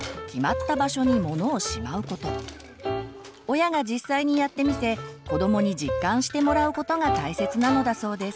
親が実際にやってみせ子どもに実感してもらうことが大切なのだそうです。